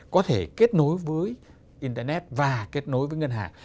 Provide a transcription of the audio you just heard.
có thể kết nối với internet và kết nối với ngân hàng